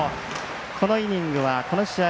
このイニングはこの試合